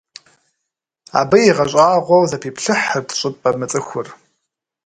Абы игъэщӀагъуэу зэпиплъыхьырт щӀыпӏэ мыцӀыхур.